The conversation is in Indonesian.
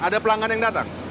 ada pelanggan yang datang